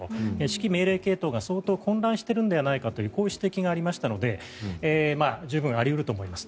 指揮命令系統が相当混乱しているのではないかというこういう指摘がありましたので十分あり得ると思います。